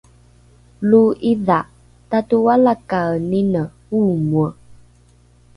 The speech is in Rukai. lo’idha tatoalakaenine oomoe